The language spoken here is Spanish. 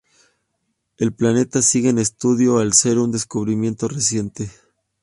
El planeta sigue en estudio al ser un descubrimiento reciente.